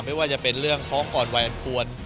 ไม่ว่าจะเป็นเรื่องท้องอ่อนวัยอันควร